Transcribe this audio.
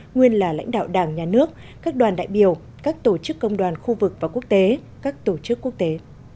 nguyên là lãnh đạo đảng nhà nước các đoàn đại biểu các tổ chức công đoàn khu vực và quốc tế các tổ chức quốc tế